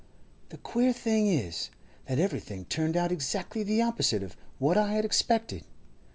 The queer thing is, that everything turned out exactly the opposite of what I had expected.